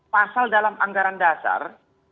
pasal dalam anggaran dasar